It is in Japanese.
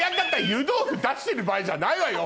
湯豆腐出してる場合じゃないわよ